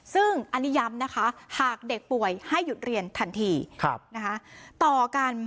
ซึ่งอันนี้ย้ำนะคะหากเด็กป่วยให้หยุดเรียนทันทีต่อกัน